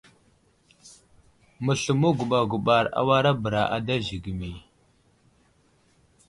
Məsləmo guɓar guɓar awara bəra ada zəgəmi.